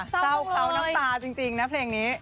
เศร้าเขาน้ำตาจริงนะเพลงนี้